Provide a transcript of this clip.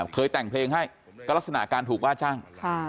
เคยแต่งเพลงให้ก็ลักษณะการถูกว่าจ้าง